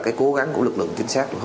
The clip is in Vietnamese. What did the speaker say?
cái cố gắng của lực lượng chính xác